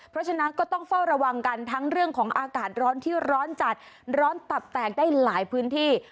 เพราะฉะนั้นก็ต้องเฝ้าระวังกันทั้งเรื่องของอากาศร้อนที่ร้อนจัดร้อนตับแตกได้หลายพื้นที่